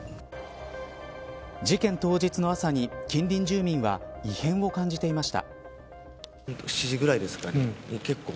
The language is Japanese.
事件当日の朝に近隣住民は異変を感じていました。